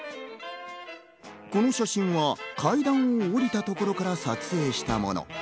この写真は階段を下りたところから撮影したもの。